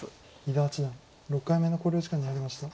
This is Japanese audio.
伊田八段６回目の考慮時間に入りました。